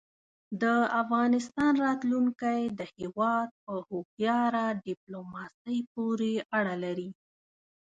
د افغانستان راتلونکی د هېواد په هوښیاره دیپلوماسۍ پورې اړه لري.